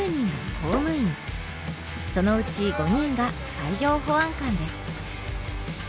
そのうち５人が海上保安官です。